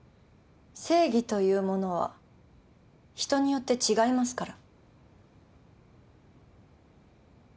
正義というものは人によって違いますから。